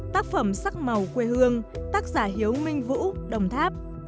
tác phẩm sắc màu quê hương tác giả hiếu minh vũ đồng tháp